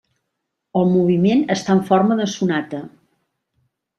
El moviment està en forma de sonata.